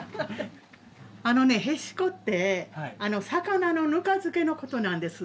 あのねへしこって魚のぬか漬けのことなんです。